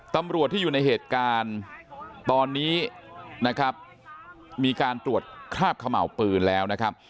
ตำรวจที่อยู่ในเหตุการณ์ตอนนี้นะครับมีการตรวจคราบเขม่าวปืนแล้วนะครับ